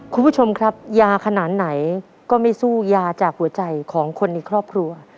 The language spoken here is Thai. คุณผู้ชมครับยาขนาดไหนก็ไม่สู้ยาจากหัวใจของคนในครอบครัว